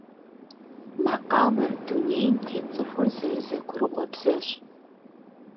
Макъамэр дунейм тет цӏыхур зэрызэгурыӏуэ бзэщ.